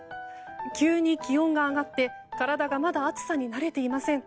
急に気温が上がって体がまだ暑さに慣れていません。